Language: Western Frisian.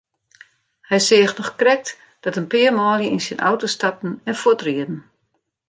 Hy seach noch krekt dat in pear manlju yn syn auto stapten en fuortrieden.